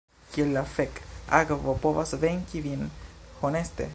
Kiel la fek' akvo povas venki vin, honeste?